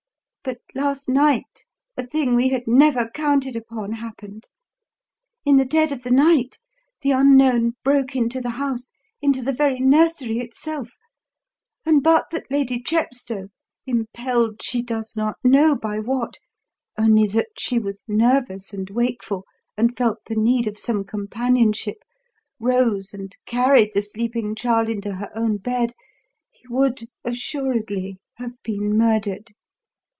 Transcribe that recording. But last night a thing we had never counted upon happened. In the dead of the night the unknown broke into the house into the very nursery itself and but that Lady Chepstow, impelled she does not know by what, only that she was nervous and wakeful, and felt the need of some companionship, rose and carried the sleeping child into her own bed, he would assuredly have been murdered.